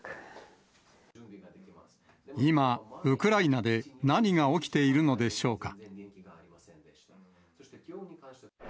今、ウクライナで何が起きているのでしょうか。